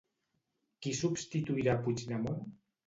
Qui substituirà a Puigdemont?